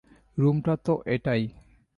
রুমটা তো এটাই।